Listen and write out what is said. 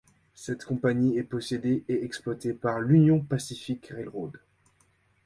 Cette compagnie est possédée et exploitée par l'Union Pacific Railroad.